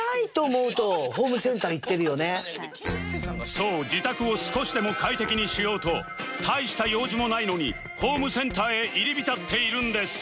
そう自宅を少しでも快適にしようと大した用事もないのにホームセンターへ入り浸っているんです